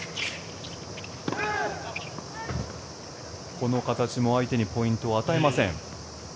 この形も相手にポイントを与えません。